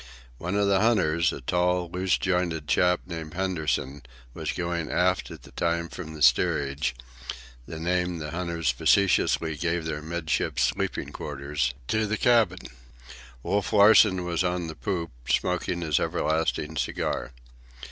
One of the hunters, a tall, loose jointed chap named Henderson, was going aft at the time from the steerage (the name the hunters facetiously gave their midships sleeping quarters) to the cabin. Wolf Larsen was on the poop, smoking his everlasting cigar.